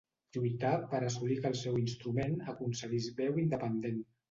Lluità per assolir que el seu instrument aconseguís veu independent.